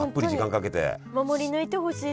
守り抜いてほしい。